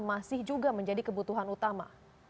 masih juga menjadi kebutuhan utama